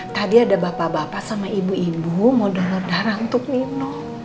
tadi ada bapak bapak sama ibu ibu mau donor darah untuk minum